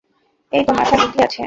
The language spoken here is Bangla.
এইতো মাথায় বুদ্ধি আছে।